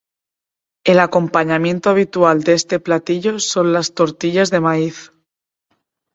El acompañamiento habitual de este platillo son las tortillas de maíz.